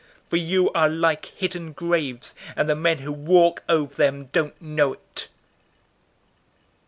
For you are like hidden graves, and the men who walk over them don't know it."